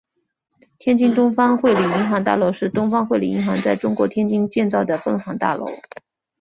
天津东方汇理银行大楼是东方汇理银行在中国天津建造的分行大楼。